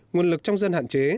nguồn lực trong dân hạn chế